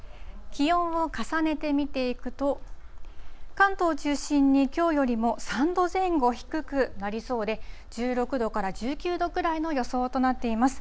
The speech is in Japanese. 気温を重ねて見ていくと、関東を中心に、きょうよりも３度前後低くなりそうで、１６度から１９度くらいの予想となっています。